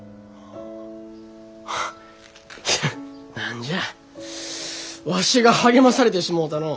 いや何じゃわしが励まされてしもうたのう。